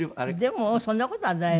でもそんな事はないわよ。